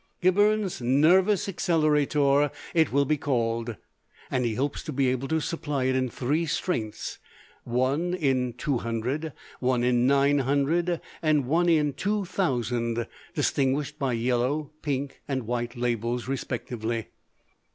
Gibberne's Nervous Accelerator it will be called, and he hopes to be able to supply it in three strengths: one in 200, one in 900, and one in 2000, distinguished by yellow, pink, and white labels respectively.